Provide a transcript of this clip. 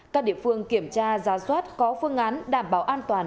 các địa phương kiểm tra giá soát có phương án đảm bảo an toàn